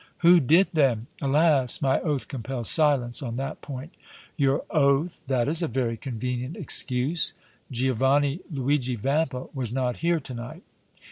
"Who did then?" "Alas! my oath compels silence on that point!" "Your oath! That is a very convenient excuse! Giovanni, Luigi Vampa was not here to night."